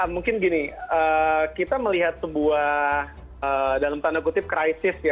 mungkin gini kita melihat sebuah dalam tanda kutip krisis ya